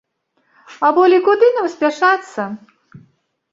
А болей куды там спяшацца?